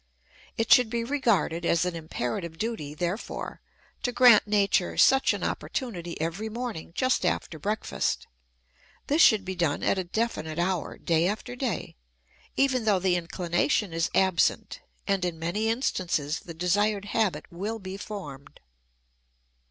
It should be regarded as an imperative duty, therefore, to grant Nature such an opportunity every morning just after breakfast. This should be done at a definite hour, day after day, even though the inclination is absent; and in many instances the desired habit will be formed.